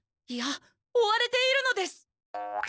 いや追われているのです！